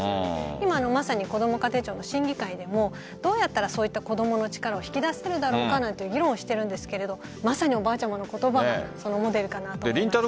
今、こども家庭庁の審議会でもどうやったらそういった子供の力を引き出せるだろうかなんていう議論をしているんですがまさにおばあちゃまの言葉がモデルかなと思いました。